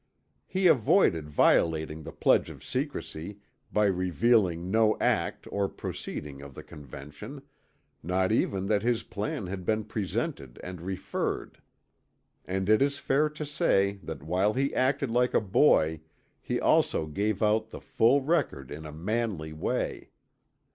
He avoided violating the pledge of secrecy by revealing no act or proceeding of the Convention, not even that his plan had been presented and referred. And it is fair to say that while he acted like a boy, he also gave out the full record in a manly way.